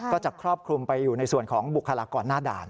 ก็จะครอบคลุมไปอยู่ในส่วนของบุคลากรหน้าด่าน